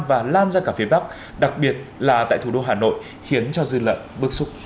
và lan ra cả phía bắc đặc biệt là tại thủ đô hà nội khiến cho dư luận bức xúc